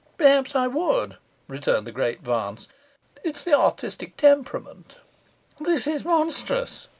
'Perhaps I would,' returned the Great Vance; 'it's the artistic temperament.' 'This is monstrous!